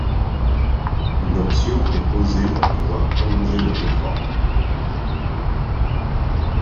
Une option est posée pour pouvoir prolonger le contrat.